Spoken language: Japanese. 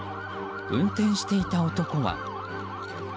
運転していた男は。